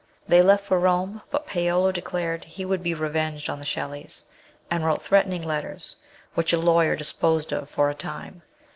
They left for Rome, but Paolo declared he would be revenged on the Shelleys, and wrote threatening letters, which a lawyer disposed of for a time.